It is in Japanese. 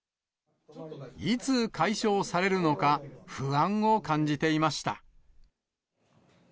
いつ、解消されるのか、不安を感じていました。